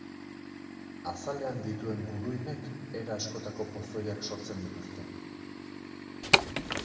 Azalean dituen guruinek era askotako pozoiak sortzen dituzte.